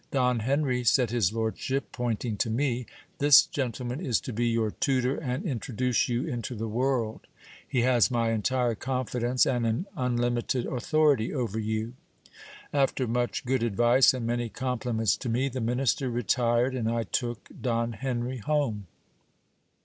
Don Henry, said his lordship, point ing to me, this gentleman is to be your tutor and introduce you into the world ; he has my entire confidence, and an unlimited authority over you. After much good advice, and many compliments to me, the minister retired, and I took Don Henry home.